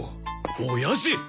おやじ！